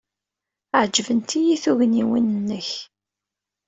Ɛejbent-iyi tugniwin-nnek.